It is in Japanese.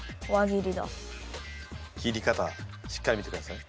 切り方しっかり見てください。